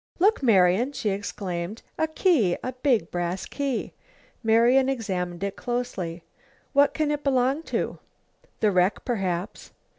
"Look, Marian!" she exclaimed. "A key! A big brass key!" Marian examined it closely. "What can it belong to?" "The wreck, perhaps."